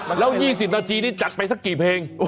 แล้ว๒๐นาทีนี่จัดไปสักกี่เพลง